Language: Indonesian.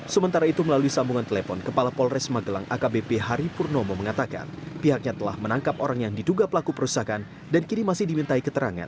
sementara itu melalui sambungan telepon kepala polres magelang akbp hari purnomo mengatakan pihaknya telah menangkap orang yang diduga pelaku perusakan dan kini masih dimintai keterangan